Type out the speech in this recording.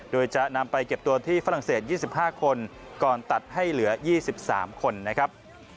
โดยจะนำไปเก็บตัวที่ฝรั่งเศสยี่สิบห้าคนก่อนตัดให้เหลือยี่สิบสามคนนะครับ